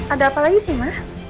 ada apa lagi sih mah